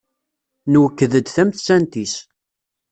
Nwekked-d tamettant-is.